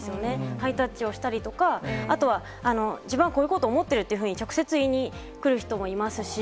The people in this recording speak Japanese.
ハイタッチをしたりとか、あとは自分はこういうことを思ってるっていうふうに、直接、言いにくる人もいますし。